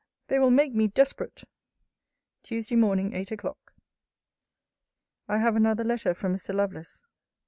They will make me desperate. TUESDAY MORNING, 8 O'CLOCK. I have another letter from Mr. Lovelace.